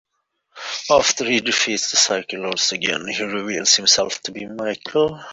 After he defeats the Cycle Lords again, he reveals himself to be Michael.